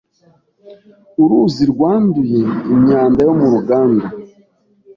Uruzi rwanduye imyanda yo mu ruganda.